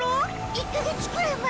１か月くらい前？